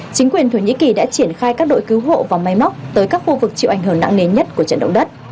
chính quyền thổ nhĩ kỳ đã triển khai các đội cứu hộ và máy móc tới các khu vực chịu ảnh hưởng nặng nề nhất của trận động đất